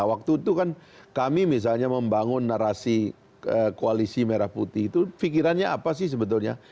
waktu itu kan kami misalnya membangun narasi koalisi merah putih itu pikirannya apa sih sebetulnya